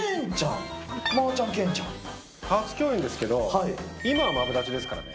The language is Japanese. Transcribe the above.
まぁちゃん、初共演ですけど、今はマブダチですからね。